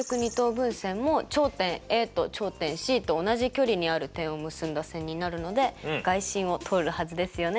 分線も頂点Ａと頂点Ｃと同じ距離にある点を結んだ線になるので外心を通るはずですよね？